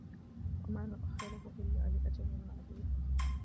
وما نؤخره إلا لأجل معدود